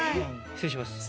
失礼します。